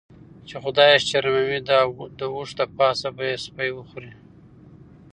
چی خدای یی شرموي داوښ دپاسه به یی سپی وخوري .